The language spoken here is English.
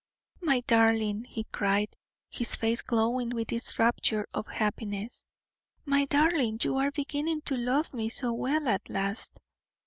"My darling!" he cried, his face glowing with its rapture of happiness. "My darling, you are beginning to love me so well at last."